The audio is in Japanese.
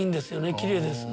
きれいです。